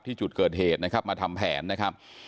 ที่จุดเกิดเหตุนะครับมาทำแผนนะครับ